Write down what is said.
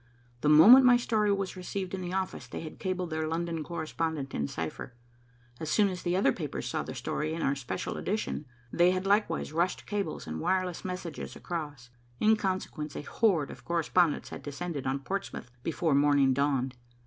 The moment my story was received in the office, they had cabled their London correspondent in cipher. As soon as the other papers saw the story in our special edition, they had likewise rushed cables and wireless messages across. In consequence, a horde of correspondents had descended on Portsmouth before morning dawned.